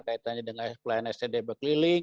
kaitannya dengan pelayanan sd berkeliling